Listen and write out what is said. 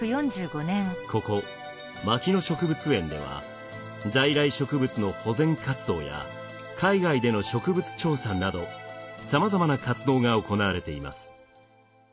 ここ牧野植物園では在来植物の保全活動や海外での植物調査などさまざまな活動が行われています。